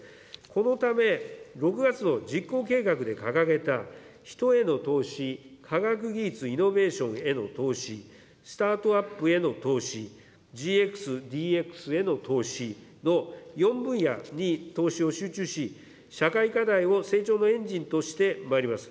このため、６月の実行計画で掲げた、人への投資、科学技術、イノベーションへの投資、スタートアップへの投資、ＧＸ、ＤＸへの投資の、４分野に投資を集中し、社会課題を成長のエンジンとしてまいります。